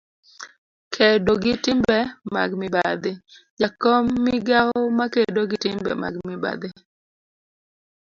kedo gi timbe mag mibadhi. jakom, migawo makedo gi timbe mag mibadhi